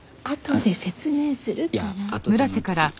あとで説明するから。